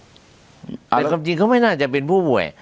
แต่ความจริงเขาไม่น่าจะเป็นผู้ป่วย